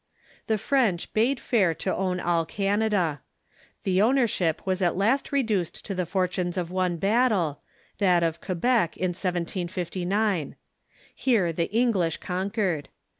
The French bade fair to own all Canada. The ownership was at last reduced to the fortunes of one battle — that of Quebec, in 1759. Here the English conquered.